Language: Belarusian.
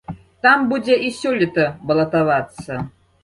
Там будзе і сёлета балатавацца.